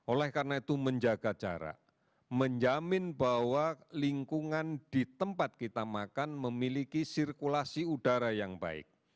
oleh karena itu menjaga jarak menjamin bahwa lingkungan di tempat kita makan memiliki sirkulasi udara yang baik